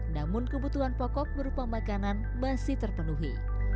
namun kebutuhan pokok berupa makanan masih terpenuhi